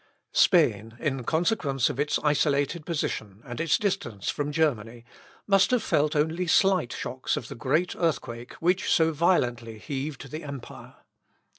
Spain, in consequence of its isolated position, and its distance from Germany, must have felt only slight shocks of the great earthquake which so violently heaved the empire.